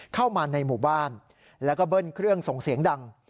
เข้ามาในหมู่บ้านแล้วก็เบิ้ลเครื่องส่งเสียงดัง